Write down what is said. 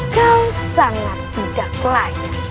kau sangat tidak layak